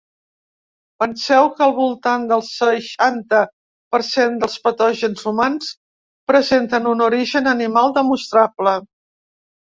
Penseu que al voltant del seixanta per cent dels patògens humans presenten un origen animal demostrable.